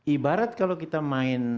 ibarat kalau kita main